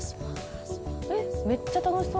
えっめっちゃ楽しそう。